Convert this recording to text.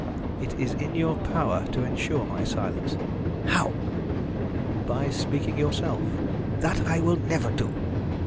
"It is in your power to ensure my silence." "How?" "By speaking yourself." "That I will never do."